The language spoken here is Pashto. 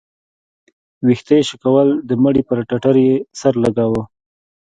ويښته يې شكول د مړي پر ټټر يې سر لګاوه.